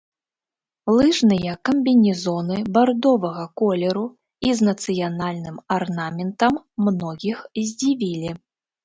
Лыжныя камбінезоны бардовага колеру і з нацыянальным арнаментам многіх здзівілі.